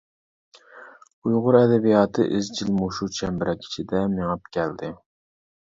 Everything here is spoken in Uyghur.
ئۇيغۇر ئەدەبىياتى ئىزچىل مۇشۇ چەمبىرەك ئىچىدە مېڭىپ كەلدى.